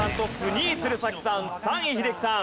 ２位鶴崎さん３位英樹さん。